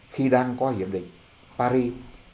khi đang có hiệp định paris